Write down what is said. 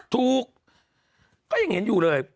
ก็ยังเห็นอยู่เลย